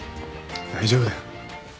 大丈夫だよ。